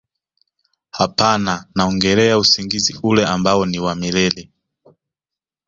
hapana naongelea usingizi ule ambao ni wa milele